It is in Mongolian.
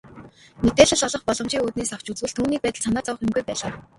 Мэдээлэл олох боломжийн үүднээс авч үзвэл түүний байдалд санаа зовох юмгүй байлаа.